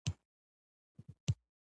د خپلو کړنو مسؤل او د داخل څخه ځواکمن وي.